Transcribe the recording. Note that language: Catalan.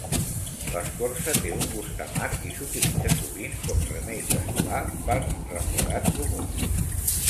L'escorça té un gust amarg i s'utilitza sovint com remei casolà per refredat comú.